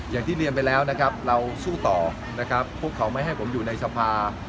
อย่างที่เรียนไปแล้วนะครับเราสู้ต่อนะครับพวกเขาไม่ให้ผมอยู่ในสภา